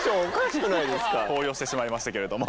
高揚してしまいましたけれども。